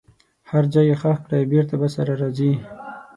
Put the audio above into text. هر ځای یې ښخ کړئ بیرته به سره راځي.